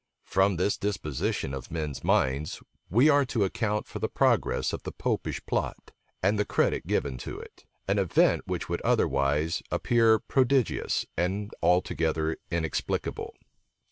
From this disposition of men's minds we are to account for the progress of the Popish plot, and the credit given to it; an event which would otherwise appear prodigious and altogether inexplicable.